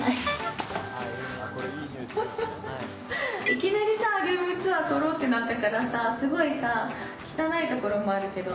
いきなりルームツアー撮ろうってなったからすごい汚いところもあるけど。